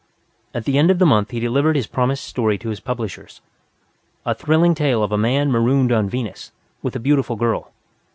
At the end of the month he delivered his promised story to his publishers, a thrilling tale of a man marooned on Venus, with a beautiful girl.